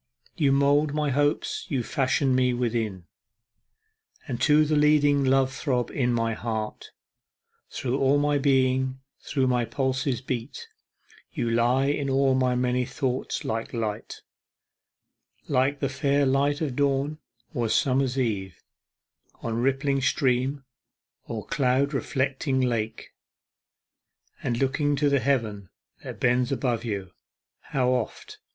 commune } 1807. Now first published from an MS. 26 You mould my Hopes you fashion me within: And to the leading love throb in the heart, Through all my being, through my pulses beat; You lie in all my many thoughts like Light, Like the fair light of Dawn, or summer Eve, On rippling stream, or cloud reflecting lake; And looking to the Heaven that bends above you, How oft!